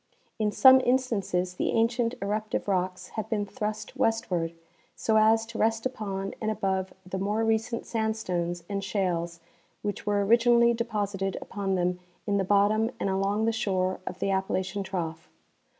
In some instances the ancient eruptive rocks have been thrust westward, so as to rest upon and above the more recent sandstones and shales which were originally deposited upon them in the bottom and along the shore of the Appalachian trough.